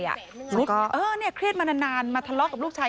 แล้วก็เออนี่เครียดมานานมาทะเลาะกับลูกชาย